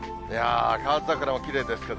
河津桜もきれいですけど。